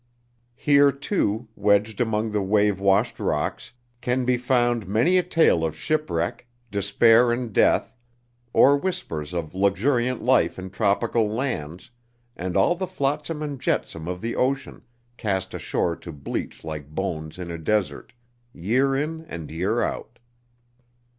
Here, too, wedged among the wave washed rocks, can be found many a tale of shipwreck, despair and death, or whispers of luxuriant life in tropical lands, and all the flotsam and jetsam of the ocean, cast ashore to bleach like bones in a desert, year in and year out.